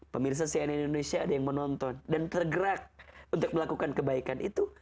pemirsa cnn indonesia ada yang menonton dan tergerak untuk melakukan kebaikan itu